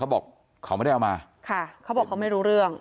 บอกเขาไม่ได้เอามาค่ะเขาบอกเขาไม่รู้เรื่อง